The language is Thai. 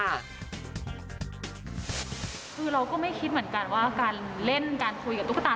คือเราก็ไม่คิดเหมือนกันว่าการเล่นการคุยกับตุ๊กตา